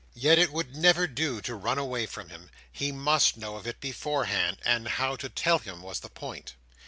Yet it would never do to run away from him. He must know of it beforehand; and how to tell him was the point.